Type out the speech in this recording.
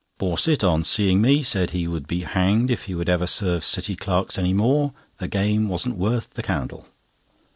Borset, on seeing me, said he would be hanged if he would ever serve City clerks any more—the game wasn't worth the candle.